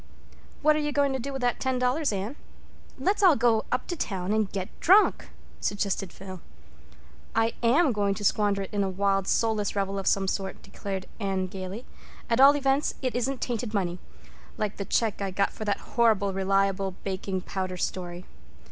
"What are you going to do with that ten dollars, Anne? Let's all go up town and get drunk," suggested Phil. "I am going to squander it in a wild soulless revel of some sort," declared Anne gaily. "At all events it isn't tainted money—like the check I got for that horrible Reliable Baking Powder story.